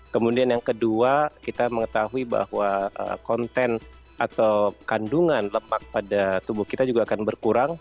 kemudian yang kedua kita mengetahui bahwa konten atau kandungan lemak pada tubuh kita juga akan berkurang